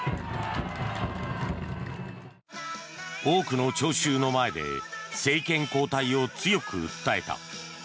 多くの聴衆の前で政権交代を強く訴えた。